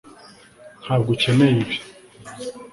ntabwo ukeneye ibi